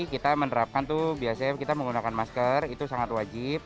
kita menerapkan tuh biasanya kita menggunakan masker itu sangat wajib